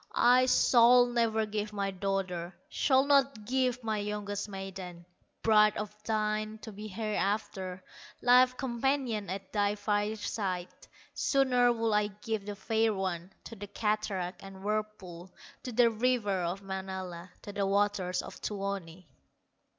I shall never give my daughter, Shall not give my youngest maiden Bride of thine to be hereafter, Life companion at thy fireside. Sooner would I give the fair one To the cataract and whirlpool, To the river of Manala, To the waters of Tuoni!"